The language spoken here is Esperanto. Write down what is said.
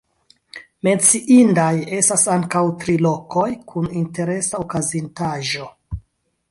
Menciindaj estas ankaŭ tri lokoj kun interesa okazintaĵo.